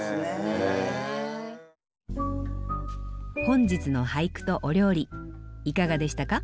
本日の俳句とお料理いかがでしたか？